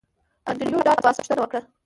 انډریو ډاټ باس پوښتنه وکړه